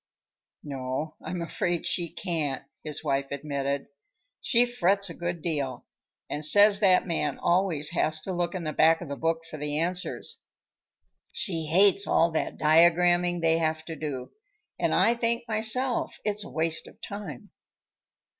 "No, I'm afraid she can't," his wife admitted. "She frets a good deal and says that man always has to look in the back of the book for the answers. She hates all that diagramming they have to do, and I think myself it's a waste of time."